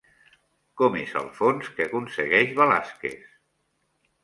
Com és el fons que aconsegueix Velázquez?